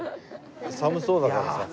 寒そうだからさ。